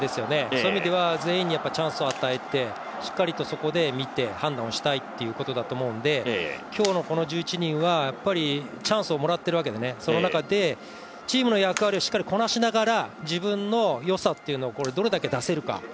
そういう意味では全員にチャンスを与えてしっかりとそこで見て、判断をしたいということだと思うので今日のこの１１人はやっぱりチャンスをもらってるわけでね、その中で、チームの役割をしっかりとこなしながら自分の良さというのをどれだけ出せるか。